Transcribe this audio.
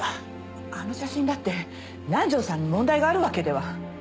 あの写真だって南条さんに問題があるわけでは。